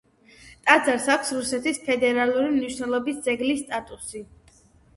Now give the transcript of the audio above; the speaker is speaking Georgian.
ტაძარს აქვს რუსეთის ფედერალური მნიშვნელობის ძეგლის სტატუსი.